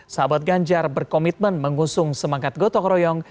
sahabat ganjar berkomitmen mengusung semangat gotong royong